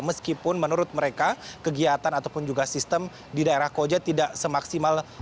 meskipun menurut mereka kegiatan ataupun juga sistem di daerah koja tidak semaksimal